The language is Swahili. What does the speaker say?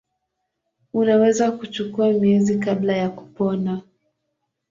Unaweza kuchukua miezi kabla ya kupona.